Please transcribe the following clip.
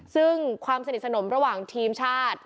ซึ่งความสนิทสนมระหว่างทีมชาติ